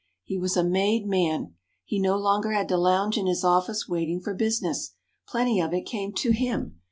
He was a made man. He no longer had to lounge in his office waiting for business. Plenty of it came to him.